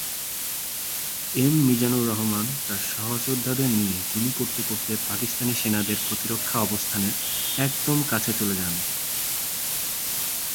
M Mizanur Rahman তার সহযোদ্ধাদের নিয়ে গুলি করতে করতে পাকিস্তানি সেনাদের প্রতিরক্ষা অবস্থানের একদম কাছে চলে যান।